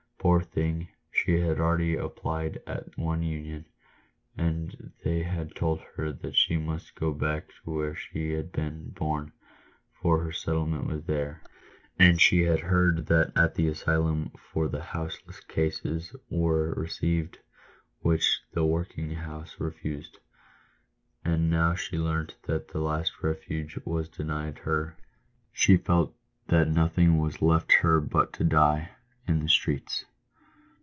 Poor thing ! she had already applied at one "Union, and they had told her that she must go back to where she had been born, for her settlement was there ; and she had heard that at the asylum for the houseless cases were received which the work house refused, and now she learnt that the last refuge was denied her, and she felt that nothing was left her but to die in the streets.